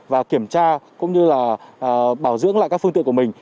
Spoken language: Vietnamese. và kiểm tra cũng như là bảo dưỡng lại các phương tiện của mình